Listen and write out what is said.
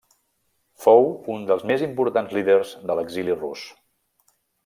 Fou un dels més importants líders de l'exili rus.